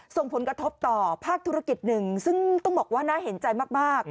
ส่งผลกระทบต่อภาคธุรกิจหนึ่งซึ่งต้องบอกว่าน่าเห็นใจมาก